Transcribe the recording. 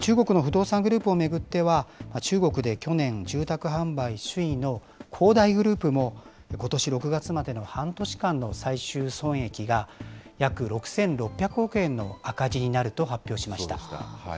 中国の不動産グループを巡っては、中国で去年、住宅販売首位の恒大グループも、ことし６月までの半年間の最終損益が約６６００億円の赤字になると発表しました。